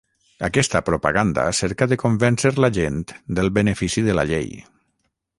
Aquesta propaganda cerca de convèncer la gent del benefici de la llei.